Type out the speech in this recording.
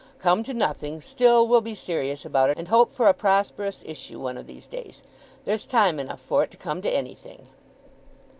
come to nothing, still we'll be serious about it, and hope for a prosperous issue one of these days. There's time enough for it to come to anything!